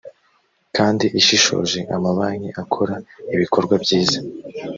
kandi ishishoje amabanki akora ibikorwa byiza